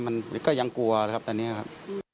มันก็ยังกลัวนะครับตอนนี้ครับ